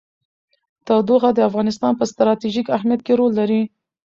تودوخه د افغانستان په ستراتیژیک اهمیت کې رول لري.